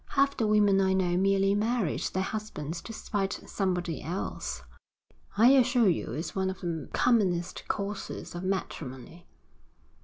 'Half the women I know merely married their husbands to spite somebody else. I assure you it's one of the commonest causes of matrimony.'